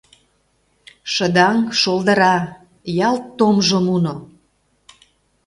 Шыдаҥ шолдыра, ялт томжо муно.